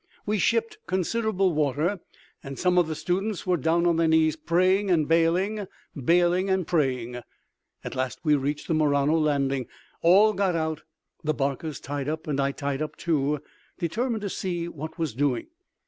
We shipped considerable water, and some of the students were down on their knees praying and bailing, bailing and praying. At last we reached the Murano landing. All got out, the barcas tied up, and I tied up, too, determined to see what was doing.